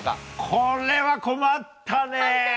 これは困ったね！